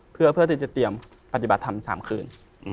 เพื่อที่จะเตรียมปฏิบัติธรรม๓คืน